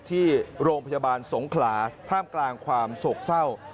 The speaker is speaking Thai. ที่โรงพยาบาลสงขลาท่ามกลางความโศกเศร้า